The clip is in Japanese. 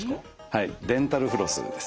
はいデンタルフロスですね。